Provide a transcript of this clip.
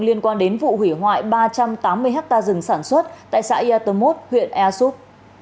liên quan đến vụ hủy hoại ba trăm tám mươi ha rừng sản xuất tại xã yatomot huyện easup